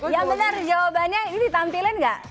yang benar jawabannya ini ditampilin nggak